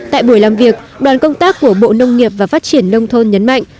tại buổi làm việc đoàn công tác của bộ nông nghiệp và phát triển nông thôn nhấn mạnh